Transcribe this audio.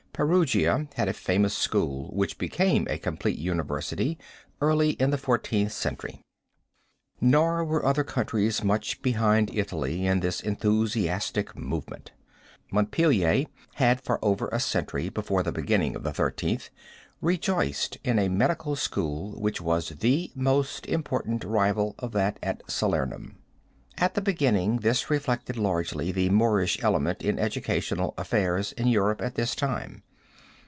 Perugia had a famous school which became a complete university early in the Fourteenth Century. Nor were other countries much behind Italy in this enthusiastic movement. Montpelier had, for over a century before the beginning of the thirteenth, rejoiced in a medical school which was the most important rival of that at Salernum. At the beginning this reflected largely the Moorish element in educational affairs in Europe at this time.